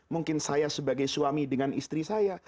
mungkin saya sebagai suami dengan istri saya